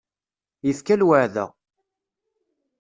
Yefka lweɛda.